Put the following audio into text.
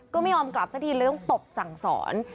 ก็ไม่ยอมกลับสักทีเรื่องตบสั่งสอน